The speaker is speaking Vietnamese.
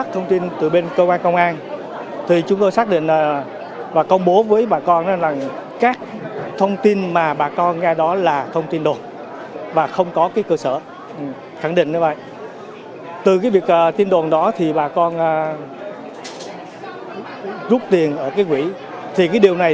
thực hiện một số biện pháp hạn chế rủi ro trong hoạt động đối với các tổ chức tín dụng trên địa bàn